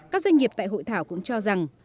các doanh nghiệp tại hội thảo cũng cho rằng